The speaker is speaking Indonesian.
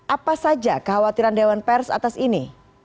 apa saja kekhawatiran dewan pers atas ini